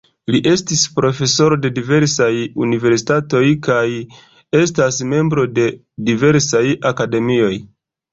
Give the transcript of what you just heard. Li estis profesoro de diversaj universitatoj kaj estas membro de diversaj akademioj.